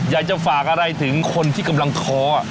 อยากจะฝากอะไรถึงคนที่กำลังท้อ